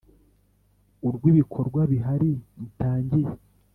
urw ibikorwa Bihari mutangiye